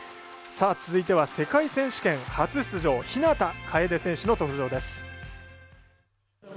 続いては世界選手権初出場日向楓選手の登場です。